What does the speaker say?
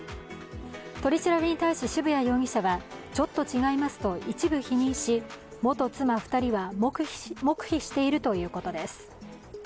取り調べに対し渋谷容疑者はちょっと違いますと一部否認し元妻２人は黙秘しているということです。